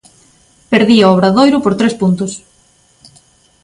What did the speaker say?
Perdía o Obradoiro por tres puntos.